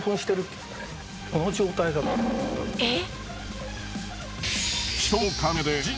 えっ。